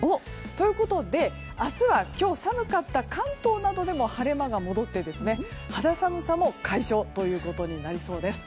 ということで明日は今日寒かった関東などでも晴れ間が戻って肌寒さも解消ということになりそうです。